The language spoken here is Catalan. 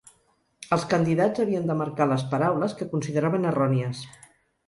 Els candidats havien de marcar les paraules que consideraven errònies.